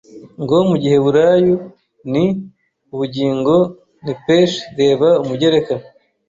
Ng Mu giheburayo ni ubugingo nephesh Reba Umugereka